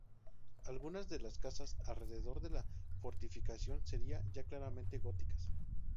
Algunas de las casas alrededor de la fortificación serían ya claramente góticas.